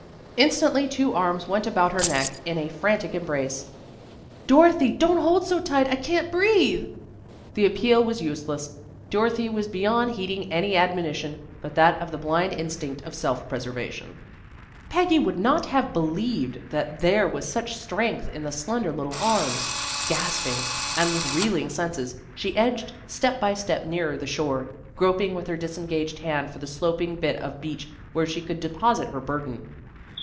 Instantly two arms went about her neck in a frantic embrace. "Dorothy, don't hold so tight. I can't breathe." The appeal was useless. Dorothy was beyond heeding any admonition but that of the blind instinct of self preservation. Peggy would not have believed that there was such strength in the slender little arms. Gasping, and with reeling senses, she edged step by step nearer the shore, groping with her disengaged hand for the sloping bit of beach where she could deposit her burden.